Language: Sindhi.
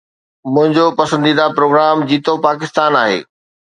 منهنجو پسنديده پروگرام جيوتپاڪستان آهي.